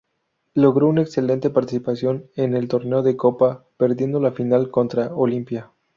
Logró una excelente participación en el torneo de copa, perdiendo la final contra Olimpia.